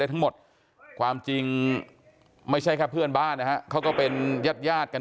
ทั้งหมดความจริงไม่ใช่แค่เพื่อนบ้านนะฮะเขาก็เป็นญาติญาติกัน